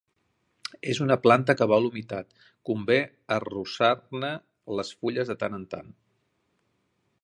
És una planta que vol humitat: convé arrosar-ne les fulles de tant en tant.